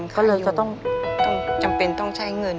ก็เลยก็ต้องจ่องต้องใช้เงิน